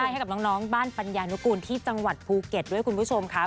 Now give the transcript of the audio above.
ให้กับน้องบ้านปัญญานุกูลที่จังหวัดภูเก็ตด้วยคุณผู้ชมค่ะ